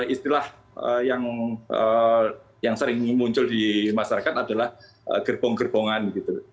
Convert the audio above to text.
istilah yang sering muncul di masyarakat adalah gerbong gerbongan gitu